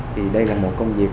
thì đây là một công việc